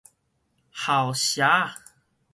鱟杓仔